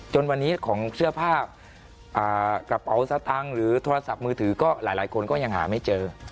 จนวันนี้ของเสื้อผ้ากระเป๋าสตังค์หรือโทรศัพท์มือถือก็หลายคนก็ยังหาไม่เจอ